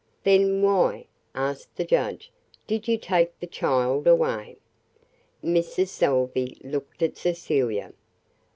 "Then why," asked the judge, "did you take the child away?" Mrs. Salvey looked at Cecilia.